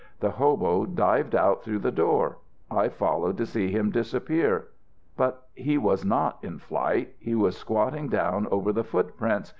The hobo dived out through the door. I followed to see him disappear. But he was not in flight; he was squatting down over the foot prints.